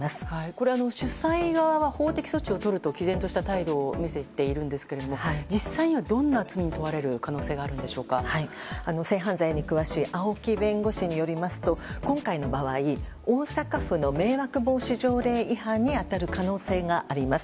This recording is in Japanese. これ、主催側は法的措置をとると毅然とした態度を見せているんですが実際にはどんな罪に問われる性犯罪に詳しい青木弁護士によりますと今回の場合大阪府の迷惑防止条例違反に当たる可能性があります。